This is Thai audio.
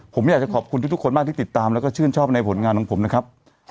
ผมอยากจะขอบคุณทุกคนมากที่ติดตามแล้วก็ชื่นชอบในผลงานของผมนะครับ